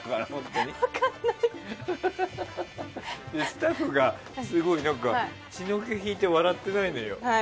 スタッフがすごい血の気引いて笑ってないのよ。